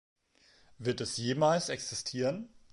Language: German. Wird es jemals existieren?